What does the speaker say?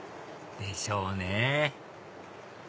でしょうね